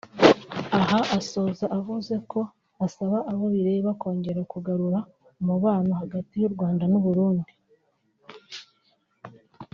aha asoza yavuze ko asaba abo bireba kongera kugarura umubano hagati y’u Rwanda n’Uburundi